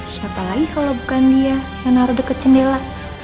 siapa lagi kalau bukan dia yang naro deket cendela